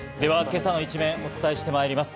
今朝の一面をお伝えしてまいります。